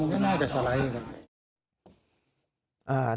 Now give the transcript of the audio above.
มันก็น่าจะสไลด์